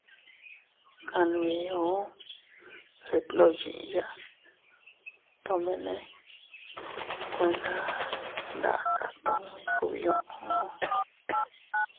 Kanbiu detndoyiya tomene kuena ndaka tummi kubiuu.